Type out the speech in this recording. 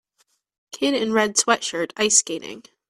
Kid in red sweatshirt ice skating